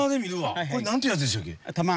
これ何ていうやつでしたっけ？